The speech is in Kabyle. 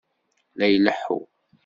La ileḥḥu.